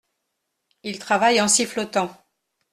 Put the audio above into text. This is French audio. Il travaille en sifflotant…